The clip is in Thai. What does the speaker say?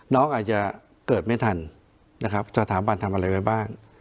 น้องอาจจะเกิดไม่ทันนะครับสถาบันทำอะไรไว้บ้าง